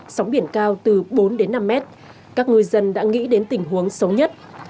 sóng biển cao từ bốn đến năm mét các ngư dân đã nghĩ đến tình huống xấu nhất